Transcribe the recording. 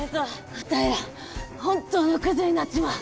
あたいら本当のクズになっちまう。